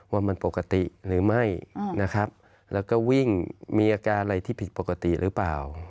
ว่ามันปกติหรือไม่นะครับแล้วก็วิ่งมีอาการอะไรที่ผิดปกติหรือเปล่า